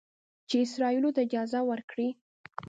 چې اسرائیلو ته اجازه ورکړي